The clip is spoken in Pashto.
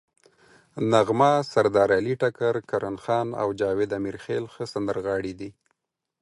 نغمه، سردارعلي ټکر، کرن خان او جاوید امیرخیل ښه سندرغاړي دي.